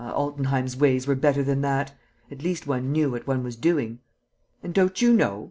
Ah, Altenheim's ways were better than that. At least, one knew what one was doing." "And don't you know?"